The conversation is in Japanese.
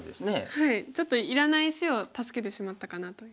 はいちょっといらない石を助けてしまったかなという。